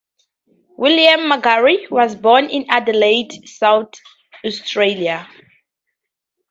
William Magarey was born in Adelaide, South Australia.